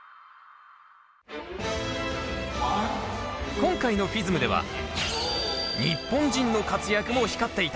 今回のＦＩＳＭでは日本人の活躍も光っていた。